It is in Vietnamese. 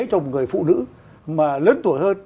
cho một người phụ nữ mà lớn tuổi hơn